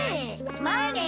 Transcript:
まあね。